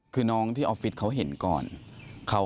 คือน้องที่ออฟฟิศเขาเห็นก่อน